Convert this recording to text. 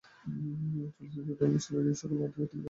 চলচ্চিত্র, টেলিভিশন এবং রেডিও- সকল মাধ্যমেই তিনি কাজ করেছেন।